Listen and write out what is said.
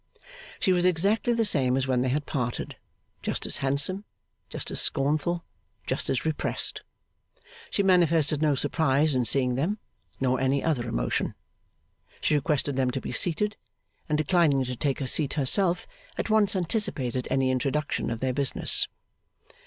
She was exactly the same as when they had parted, just as handsome, just as scornful, just as repressed. She manifested no surprise in seeing them, nor any other emotion. She requested them to be seated; and declining to take a seat herself, at once anticipated any introduction of their business.